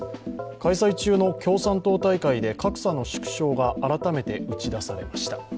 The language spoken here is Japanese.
開催中の共産党大会で格差の縮小が改めて打ち出されました。